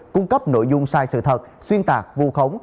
cung cấp nội dung sai sự thật xuyên tạc vù khống